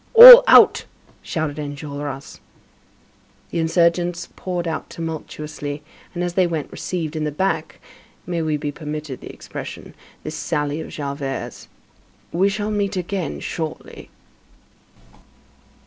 "All out!" shouted Enjolras. The insurgents poured out tumultuously, and, as they went, received in the back,—may we be permitted the expression,—this sally of Javert's: "We shall meet again shortly!"